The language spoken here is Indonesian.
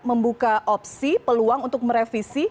membuka opsi peluang untuk merevisi